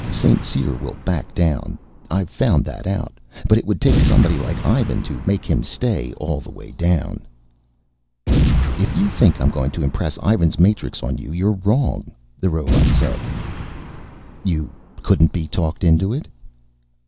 "St. Cyr will back down I've found that out. But it would take somebody like Ivan to make him stay all the way down." "If you think I'm going to impress Ivan's matrix on you, you're wrong," the robot said. "You couldn't be talked into it?"